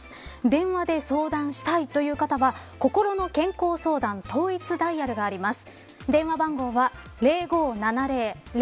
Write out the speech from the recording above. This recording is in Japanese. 電話で相談したいという方はこころの健康相談統一ダイヤルがあります。